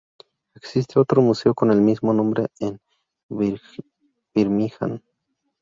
Existe otro museo con el mismo nombre en Birmingham.